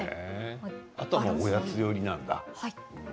あとはおやつ寄りなんだ。